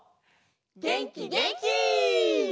げんきげんき！